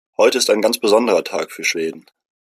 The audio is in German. Heute ist ein ganz besonderer Tag für Schweden.